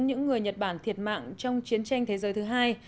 những người nhật bản thiệt mạng trong chiến tranh thế giới thứ hai